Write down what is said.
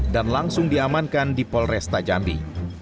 dan langsung diamankan di polresta jambi